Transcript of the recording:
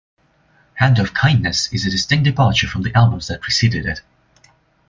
"Hand of Kindness" is a distinct departure from the albums that preceded it.